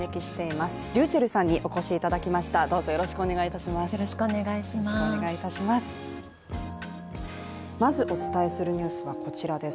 まずお伝えするニュースはこちらです。